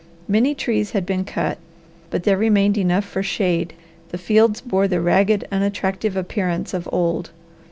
Many trees had been cut, but there remained enough for shade; the fields bore the ragged, unattractive appearance of old.